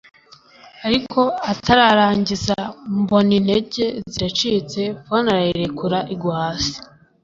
ariko. atararangiza mbona intege ziracitse phone arayirekura igwa hasi